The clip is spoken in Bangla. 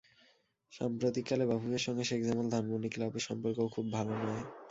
সাম্প্রতিককালে বাফুফের সঙ্গে শেখ জামাল ধানমন্ডি ক্লাবের সম্পর্কও খুব ভালো নয়।